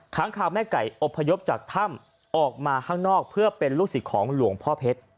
ค้างคาวแม่ไก่อบพยพจากถ้ำออกมาข้างนอกเพื่อเป็นลูกศิษย์ของหลวงพ่อเพชร